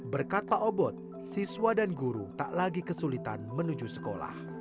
berkat pak obot siswa dan guru tak lagi kesulitan menuju sekolah